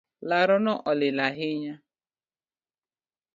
Laroni olil ahinya